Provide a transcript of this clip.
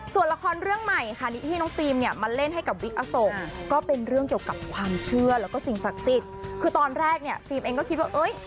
ส่วนละครเรื่องใหม่ค่ะที่น้องฟิล์มเนี่ยมาเล่นให้กับวิกอโศกก็เป็นเรื่องเกี่ยวกับความเชื่อแล้วก็สิ่งศักดิ์สิทธิ์คือตอนแรกเนี่ยฟิล์มเองก็คิดว่าเอ้ย